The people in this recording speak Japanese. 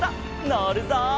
のるぞ！